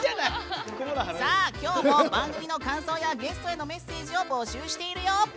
今日も番組の感想やゲストへのメッセージを募集しているよ！